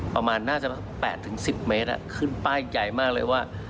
ประมาณน่าจะ๘๑๐เมตรขึ้นป้ายใหญ่มากเลยว่า